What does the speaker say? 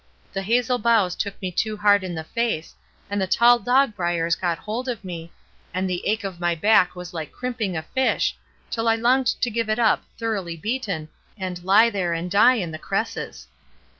The hazel boughs took me too hard in the face, and the tall dog briers got hold of me, and the ache of my back was like crimping a fish, till I longed to give it up, thoroughly beaten, and lie there and die in the cresses.